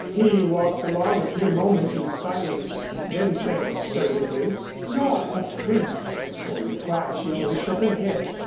He walked along a few moments in silence then said assertively: "You're afraid." For reply she only shook her head.